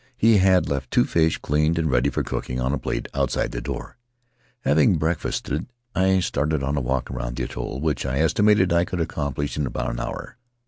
He had left two fish cleaned and ready for cooking on a plate outside the door. Having breakfasted, I started on a walk around the atoll, which I estimated I could accomplish in about an hour.